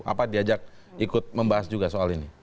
apa diajak ikut membahas juga soal ini